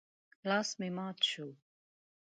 لاس مې مات شو.